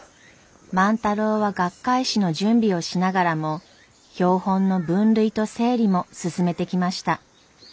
万太郎は学会誌の準備をしながらも標本の分類と整理も進めてきました。